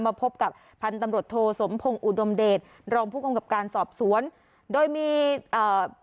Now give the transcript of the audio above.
พบกับพันธุ์ตำรวจโทสมพงศ์อุดมเดชรองผู้กำกับการสอบสวนโดยมีเอ่อ